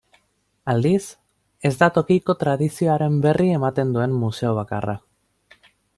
Aldiz, ez da tokiko tradizioaren berri ematen duen museo bakarra.